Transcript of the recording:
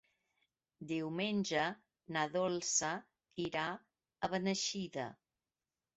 Diumenge na Dolça irà a Beneixida.